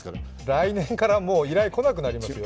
来年からもう依頼こなくなりますよ。